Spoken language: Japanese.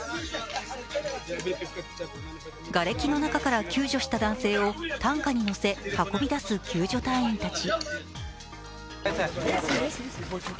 がれきの中から救助した男性を担架に乗せ運び出す救助隊員たち。